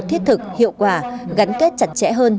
thiết thực hiệu quả gắn kết chặt chẽ hơn